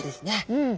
うん。